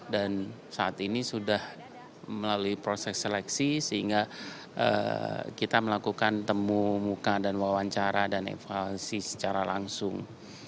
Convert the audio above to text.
dan saat ini sudah melalui proses seleksi sehingga kita melakukan temu muka dan wawancara dan evaluasi secara langsung